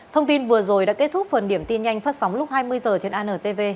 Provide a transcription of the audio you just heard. thông tin vừa rồi đã kết thúc phần điểm tin nhanh phát sóng lúc hai mươi h trên antv